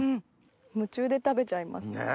夢中で食べちゃいます。ね！